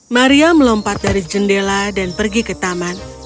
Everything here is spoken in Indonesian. maria melompat dari jendela dan pergi ke taman